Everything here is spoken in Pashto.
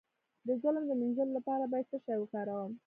د ظلم د مینځلو لپاره باید څه شی وکاروم؟